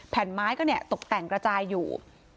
แผ่นไม้ก็เนี่ยตกแต่งกระจายอยู่